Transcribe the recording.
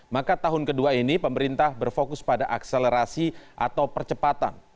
maka tahun kedua ini pemerintah berfokus pada akselerasi atau percepatan